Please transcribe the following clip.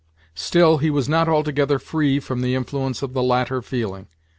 Still he was not altogether free from the influence of the latter feeling.